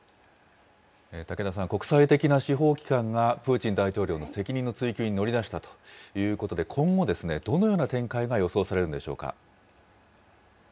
竹田さん、国際的な司法機関がプーチン大統領の責任の追及に乗り出したということで、今後、どのような展開が予想されるんでしょうか。